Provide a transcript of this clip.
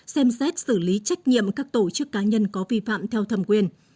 xem xét xử lý trách nhiệm các tổ chức cá nhân có vi phạm theo thẩm quyền